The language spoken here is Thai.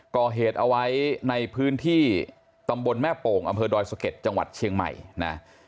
ก่อเหตุเอาไว้ในพื้นที่ตำบลแม่โป่งอำเภอดอยสะเก็ดจังหวัดเชียงใหม่นะ